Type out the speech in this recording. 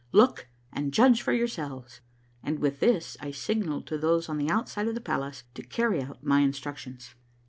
Look and judge for yourselves ! And with this I signalled to those on the outside of the palace to carry out mj^ instructions.